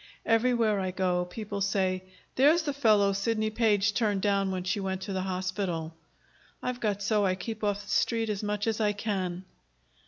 Everywhere I go, people say, 'There's the fellow Sidney Page turned down when she went to the hospital.' I've got so I keep off the Street as much as I can."